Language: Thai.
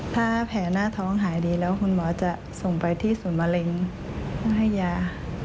ถ้าแผลหน้าท้องหายดีแล้วคุณหมอจะส่งไปที่ศูนย์มะเร็งให้ยา